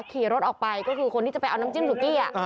ขี่รถออกไปก็คือคนที่จะไปเอาน้ำจิ้มสุกี้